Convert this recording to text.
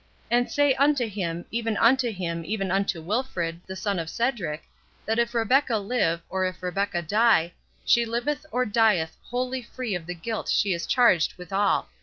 And say unto him, even unto him, even unto Wilfred, the son of Cedric, that if Rebecca live, or if Rebecca die, she liveth or dieth wholly free of the guilt she is charged withal.